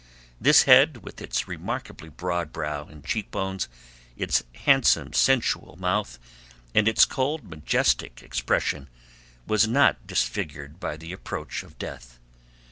This head, with its remarkably broad brow and cheekbones, its handsome, sensual mouth, and its cold, majestic expression, was not disfigured by the approach of death.